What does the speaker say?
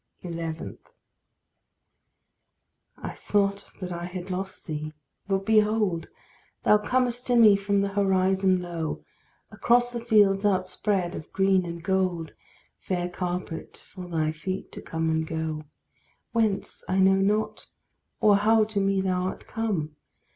11. I thought that I had lost thee; but, behold! Thou comest to me from the horizon low, Across the fields outspread of green and gold Fair carpet for thy feet to come and go. Whence I know not, or how to me thou art come!